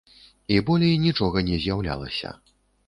І болей нічога не з'яўлялася.